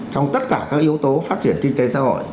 trong tất cả các yếu tố phát triển kinh tế xã hội